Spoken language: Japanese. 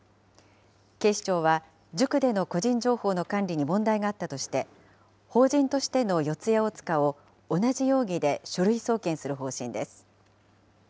警視庁は塾での個人情報の管理に問題があったとして、法人としての四谷大塚を同じ容疑で書類送検する方針です。